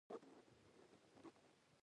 او جګړو ځپلي و